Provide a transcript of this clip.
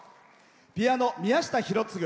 ピアノ、宮下博次。